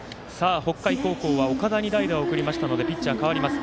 北海高校は岡田に代打を送りましたのでピッチャー代わります。